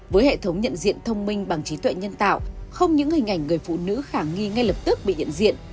với hệ thống nhận diện thông minh bằng trí tuệ nhân tạo không những hình ảnh người phụ nữ khả nghi ngay lập tức bị nhận diện